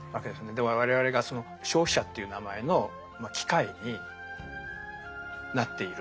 我々がその「消費者」という名前の機械になっている。